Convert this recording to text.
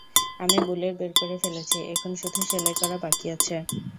আমি বুলেট বের করে ফেলেছি, এখন শুধু সেলাই করা বাকি আছে।